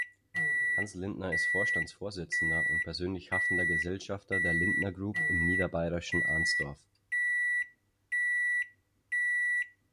Hans Lindner ist Vorstandsvorsitzender und persönlich haftender Gesellschafter der Lindner Group im niederbayerischen Arnstorf.